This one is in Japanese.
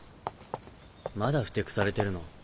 まだふてくされてるの？